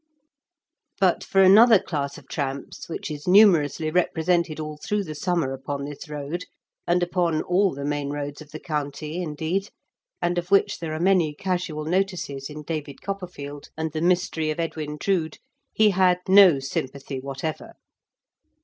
But for another class of tramps, which is numerously represented all through the summer upon this road, and upon all the main roads of the county, indeed, and of which there are many casual notices in David Copperfield and I^e Mystery of Edwin Drood'y he had no sympathy whatever.